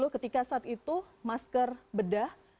ketika saat itu masker kain ini tidak bisa digunakan